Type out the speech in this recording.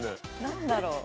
何だろう？